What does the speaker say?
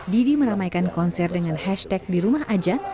didi meramaikan konser dengan hashtag dirumah aja